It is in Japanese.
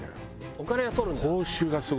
お金は取るんだ。